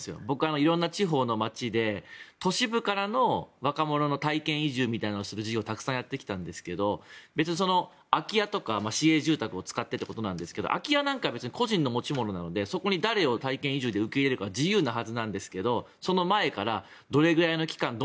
僕はいろんな地方の街で都市部からの若者の体験移住みたいなことをする事業をたくさんやってきたんですけど空き家とか市営住宅を使ってということですが空き家なんか個人の持ち物なのでそこで誰を体験で受け入れるかは自由なはずなんですがその前から、どのぐらいの期間